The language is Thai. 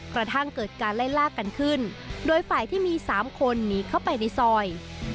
กระทั่งเกิดการไล่ลากกันขึ้นโดยฝ่ายที่มี๓คนหนีเข้าไปในซอย